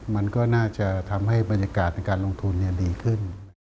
มันก็น่าจะทำให้บรรยากาศในการลงทุนดีขึ้น